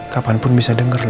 kapanpun bisa denger lo